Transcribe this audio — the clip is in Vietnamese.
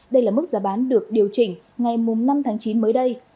đây là mức giá bán được điều chỉnh ngày năm tháng chín mới đây